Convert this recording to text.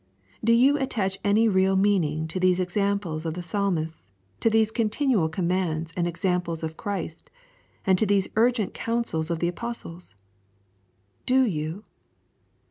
Do you attach any real meaning to these examples of the psalmists, to these continual commands and examples of Christ, and to these urgent counsels of his apostles? Do you?